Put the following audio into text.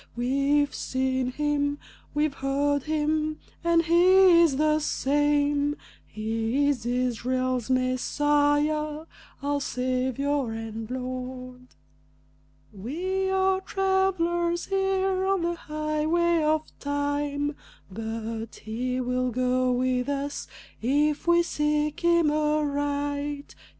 We've seen him, we've heard him, and he is the same: He is Israel's Messiah, our Savior and Lord!" We are travelers here on the highway of time, But he will go with us if we seek him aright.